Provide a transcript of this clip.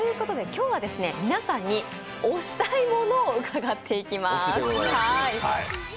今日は皆さんに、おしたいものを伺っています。